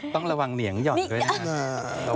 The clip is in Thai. ต้องระวังเหนียงหย่อนด้วยนะครับ